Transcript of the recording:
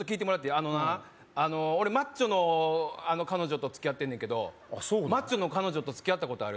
あのな俺マッチョの彼女と付き合ってんねんけどマッチョの彼女と付き合ったことある？